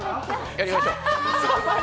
やりましょう！